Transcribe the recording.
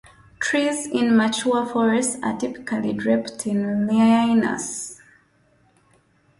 Trees in mature forests are typically draped in lianas.